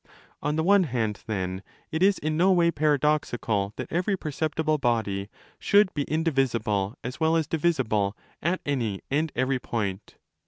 On the one hand, then, it is in'no way paradoxical that every perceptible body should be indivisible as well as divisible at any and every point.